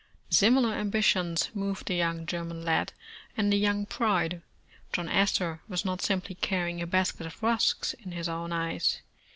Similar ambitions moved the young German lad and the young bride. John Astor was not simply carrjdng a basket of rusks, in his own eyes.